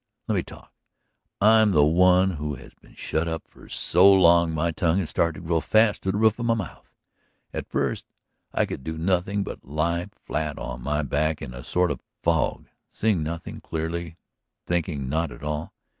Let me talk! I'm the one who has been shut up for so long my tongue has started to grow fast to the roof of my mouth. At first I could do nothing but lie flat on my back in a sort of fog, seeing nothing clearly, thinking not at all.